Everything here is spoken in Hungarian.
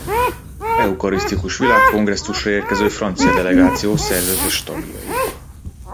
Eucharisztikus világkongresszusra érkező francia delegáció szerzetes tagjai.